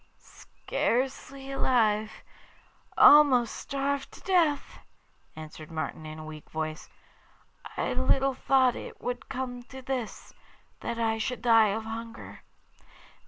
'Scarcely alive almost starved to death,' answered Martin in a weak voice. 'I little thought it would come to this, that I should die of hunger.